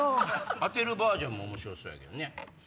当てるバージョンもおもしろそうやけどね。